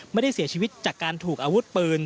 ไม่ได้เสียชีวิตจากการถูกอาวุธปืน